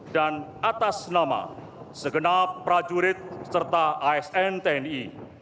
dan atas nama segenap prajurit serta asn tni